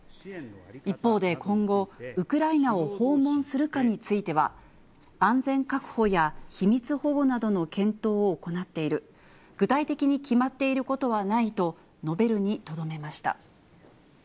一方で今後、ウクライナを訪問するかについては、安全確保や、具体的に決まっていることはないと述べるにとどめました。